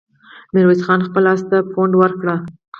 ميرويس خان خپل آس ته پونده ورکړه.